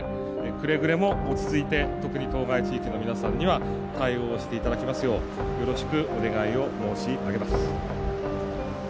くれぐれも落ち着いて特に当該地域の皆さんには対応をしていただきますようよろしくお願いを申し上げます。